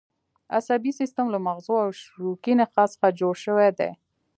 عصبي سیستم له مغزو او شوکي نخاع څخه جوړ شوی دی